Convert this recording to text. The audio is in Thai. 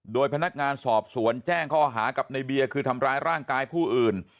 โดยพนักงานสอบสวนแจ้งข้อหากับในเบียร์คือทำร้ายร่างกายผู้อื่น